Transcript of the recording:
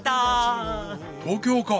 東京か。